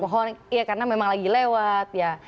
mohon ya karena memang lagi lewat ya